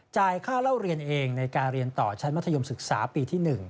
ค่าเล่าเรียนเองในการเรียนต่อชั้นมัธยมศึกษาปีที่๑